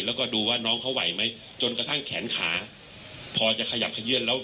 แล้วก็ดูว่าน้องเขาไหวไหมจนกระทั่งแขนขาพอจะขยับขยื่นแล้ว